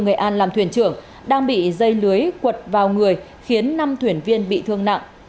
nghệ an làm thuyền trưởng đang bị dây lưới quật vào người khiến năm thuyền viên bị thương nặng